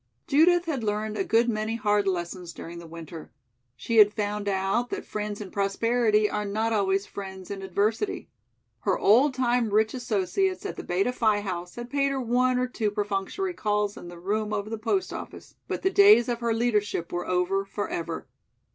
Judith had learned a good many hard lessons during the winter. She had found out that friends in prosperity are not always friends in adversity. Her old time rich associates at the Beta Phi House had paid her one or two perfunctory calls in the room over the post office, but the days of her leadership were over forever.